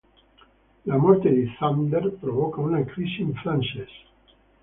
La morte di Zander provoca una crisi in Frances.